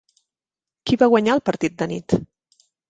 Qui va guanyar el partit d'anit?